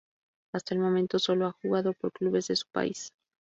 Hasta el momento solo ha jugado por clubes de su país.